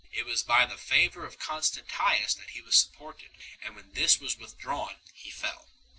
It was by the favour of Coristantius that he was supported, and when this was withdrawn he fell 6